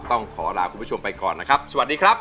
ต้องขอลาคุณผู้ชมไปก่อนนะครับสวัสดีครับ